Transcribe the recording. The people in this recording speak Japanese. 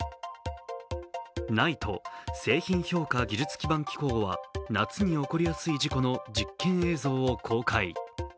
ＮＩＴＥ＝製品評価技術基盤機構は夏に起こりやすい事故の実験映像を公開。